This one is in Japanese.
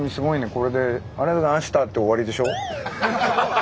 これで「ありがとうございました」って終わりでしょ？